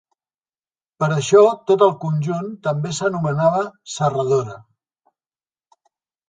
Per això tot el conjunt també s'anomenava serradora.